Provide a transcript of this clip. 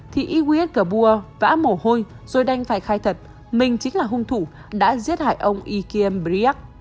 thì iwis kabua vã mổ hôi rồi đanh phải khai thật mình chính là hung thủ đã giết hại ông ikembiak